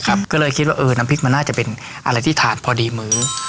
ก็เลยคิดว่าเออน้ำพริกมันน่าจะเป็นอะไรที่ถาดพอดีมื้อ